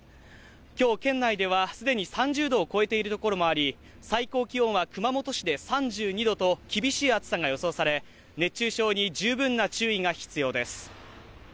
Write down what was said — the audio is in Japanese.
今日県内では既に３０度を超えているところもあり、最高気温は熊本市で３２度と厳しい暑さが予想され、熱中症に十分な注意が必要です。